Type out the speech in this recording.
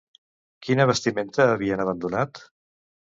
Quina vestimenta havien abandonat?